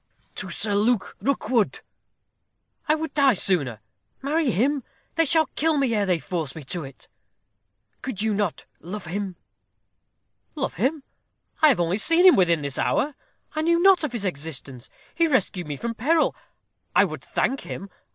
"To Sir Luke Rookwood." "I would die sooner! Marry him? They shall kill me ere they force me to it!" "Could you not love him?" "Love him! I have only seen him within this hour. I knew not of his existence. He rescued me from peril. I would thank him.